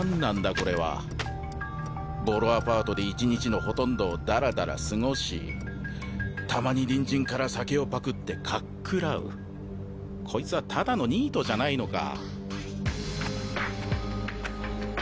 これはボロアパートで１日のほとんどをダラダラ過ごしたまに隣人から酒をパクってかっくらうこいつはただのニートじゃないのか？